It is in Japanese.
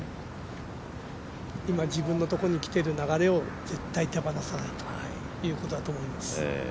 今、自分のところに来ている流れを絶対手放さないということだと思います。